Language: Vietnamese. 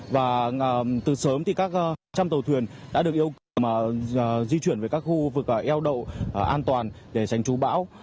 và từ sớm thì các trăm tàu thuyền đã được yêu cầu di chuyển về các khu vực eo đậu an toàn để tránh chú bão